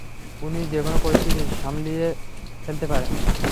উনি যেকোনো পরিস্থিতিকে সামলিয়ে ফেলতে পারতেন।